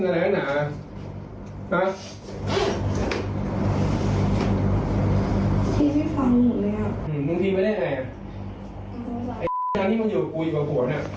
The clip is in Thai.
ถ้ามันโดนอะไรขึ้นมามึง